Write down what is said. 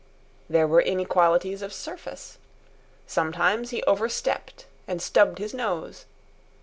There were inequalities of surface. Sometimes he overstepped and stubbed his nose.